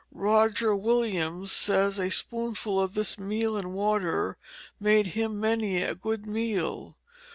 Roger Williams says a spoonful of this meal and water made him many a good meal.